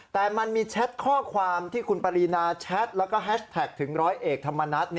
แต่มันมีแชทข้อความที่คุณปรินาแชทแล้วก็แฮชแท็กถึงร้อยเอกธรรมนัฐ